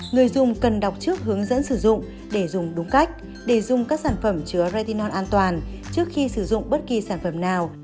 người dùng cần đọc trước hướng dẫn sử dụng để dùng đúng cách để dùng các sản phẩm chứa ration an toàn trước khi sử dụng bất kỳ sản phẩm nào